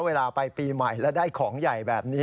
เวลาไปปีใหม่แล้วได้ของใหญ่แบบนี้